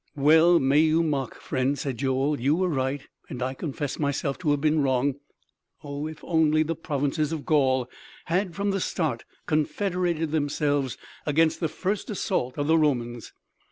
"Well may you mock, friend," said Joel. "You were right, and I confess myself to have been wrong. Oh! If only the provinces of Gaul had from the start confederated themselves against the first assault of the Romans!